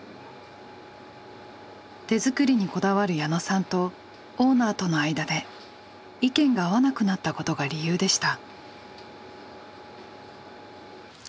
手作りにこだわる矢野さんとオーナーとの間で意見が合わなくなったことが理由でした。